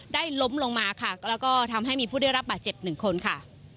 ล้มลงมาค่ะแล้วก็ทำให้มีผู้ได้รับบาดเจ็บหนึ่งคนค่ะ